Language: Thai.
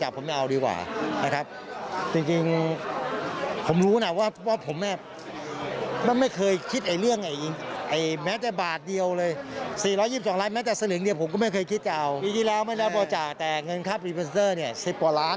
ไปฟังเสียสำคัญหน่อยค่ะ